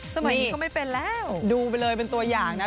สมัยนี้เขาไม่เป็นแล้วดูไปเลยเป็นตัวอย่างนะ